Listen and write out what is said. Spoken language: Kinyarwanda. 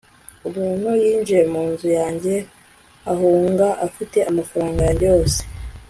umuntu yinjiye mu nzu yanjye ahunga afite amafaranga yanjye yose